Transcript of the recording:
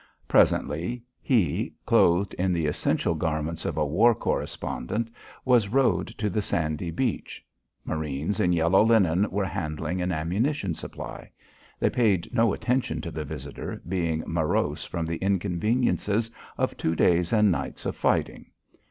Presently he, clothed in the essential garments of a war correspondent, was rowed to the sandy beach. Marines in yellow linen were handling an ammunition supply. They paid no attention to the visitor, being morose from the inconveniences of two days and nights of fighting.